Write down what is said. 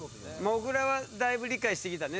もぐらはだいぶ理解してきたね